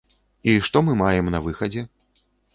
І што мы маем на выхадзе?